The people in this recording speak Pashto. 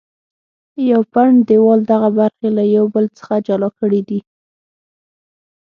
یو پنډ دیوال دغه برخې له یو بل څخه جلا کړې دي.